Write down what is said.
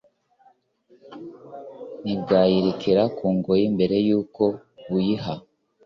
ntibwayirekera ku ngoyi mbere y'uko buyiha